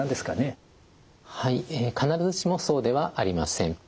必ずしもそうではありません。